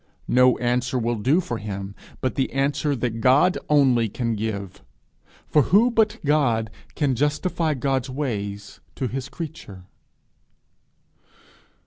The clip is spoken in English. No answer will do for him but the answer that God only can give; for who but God can justify God's ways to his creature?